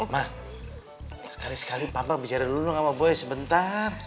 mah sekali sekali papa bicara dulu sama boy sebentar